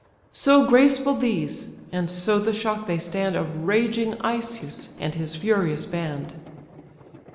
So graceful these, and so the shock they stand Of raging Asius, and his furious band.